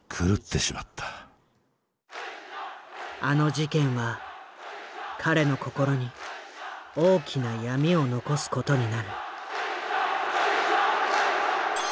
あの事件は彼の心に大きな闇を残すことになる。